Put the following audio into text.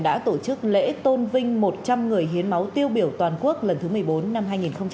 đã tổ chức lễ tôn vinh một trăm linh người hiến máu tiêu biểu toàn quốc lần thứ một mươi bốn năm hai nghìn hai mươi